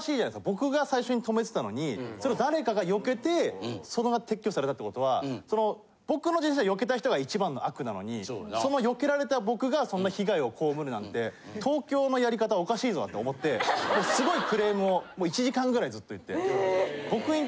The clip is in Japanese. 僕が最初にとめてたのにそれを誰かがよけてそのまま撤去されたってことはその僕の自転車よけた人が一番の悪なのにそのよけられた僕がそんな被害を被るなんて東京のやり方はおかしいぞと思ってすごいクレームをもう１時間ぐらいずっと言って。